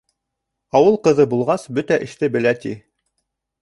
Ауыл ҡыҙы булғас, бөтә эште белә, ти.